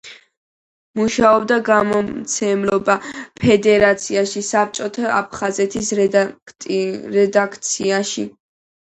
მუშაობდა გამომცემლობა „ფედერაციაში“, „საბჭოთა აფხაზეთის“ რედაქციაში.